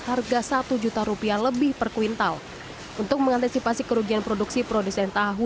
harga satu juta rupiah lebih per kuintal untuk mengantisipasi kerugian produksi produsen tahu